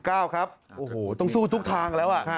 โอ้โหต้องสู้ทุกทางแล้ว